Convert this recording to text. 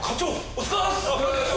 お疲れさまです！